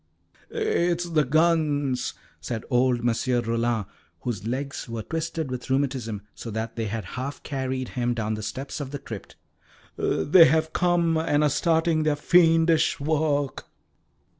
"It is the guns," said old Monsieur Rollin, whose legs were twisted with rheumatism, so that they had half carried him down the steps of the crypt. "They have come, and are starting their fiendish work."